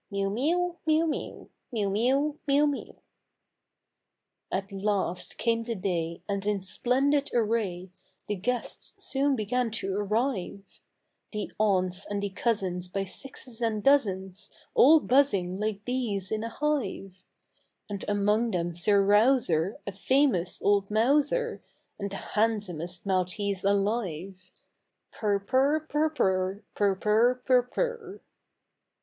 Miew, miew, miew, miew, Miew, miew, miew, miew. THE THREE LITTLE KITTENS. At last came the day, and in splendid array, The guests soon began to arrive ; The aunts and the cousins by sixes and dozens, All buzzing like bees in a hive ; And among them Sir Rouser, a famous old mouser, And the handsomest maltese alive. Purr, purr, purr, purr, Purr, purr, purr, purr.